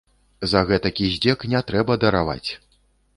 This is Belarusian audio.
За гэтакі здзек не трэба дараваць.